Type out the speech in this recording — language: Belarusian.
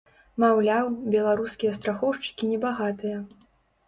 Маўляў, беларускія страхоўшчыкі небагатыя.